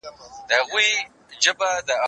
سندري واوره!.